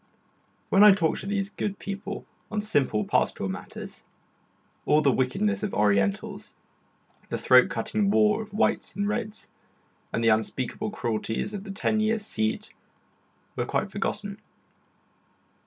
While I talked to these good people on simple pastoral matters, all the wickedness of Orientals the throat cutting war of Whites and Reds, and the unspeakable cruelties of the ten years' siege were quite forgotten.